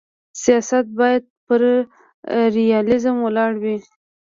سیاست باید پر ریالیزم ولاړ وي.